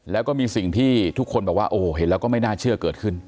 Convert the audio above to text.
แล้วก็มีสิ่งที่ทุกคนบอกว่าโอ้โหเห็นแล้วก็ไม่น่าเชื่อเกิดขึ้น